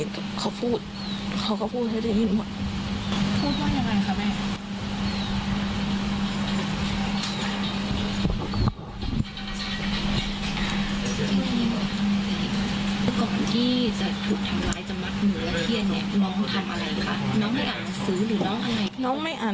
น้องไม่อ่านซื้อหรือน้องอ่านอะไร